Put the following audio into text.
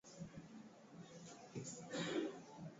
chagua anuani bora ambayo ni rahisi kukumbukwa